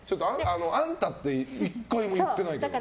あんたって１回も言ってないけどって。